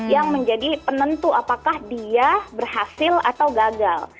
yang menjadi penentu apakah dia berhasil atau gagal